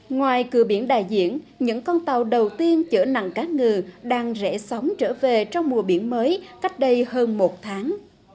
ngoài cửa biển đại diện những con tàu đầu tiên chở nặng cá ngừ đang rẽ sóng trở về trong mùa biển mới cách đây hơn một tháng